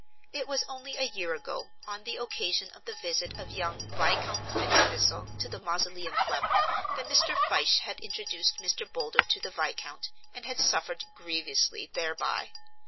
It was only a year ago, on the occasion of the visit of young Viscount FitzThistle to the Mausoleum Club, that Mr. Fyshe had introduced Mr. Boulder to the Viscount and had suffered grievously thereby.